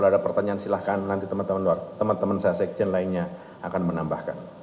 dan teman teman saya seksien lainnya akan menambahkan